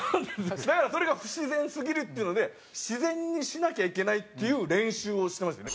だからそれが不自然すぎるっていうので自然にしなきゃいけないっていう練習をしてましたね。